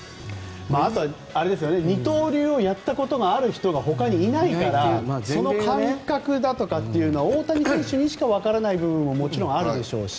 あとは二刀流をやったことがある人がほかにいないからその感覚だとかっていうのは大谷選手にしかわからない部分ももちろんあるでしょうし。